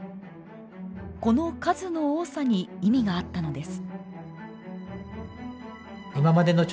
この数の多さに意味があったのです。